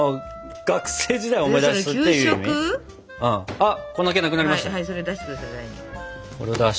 あっ粉けがなくなりましたよ。